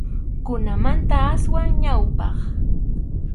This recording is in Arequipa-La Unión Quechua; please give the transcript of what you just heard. Kunanmanta aswan ñawpaq.